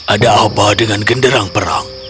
ada apa dengan genderang perang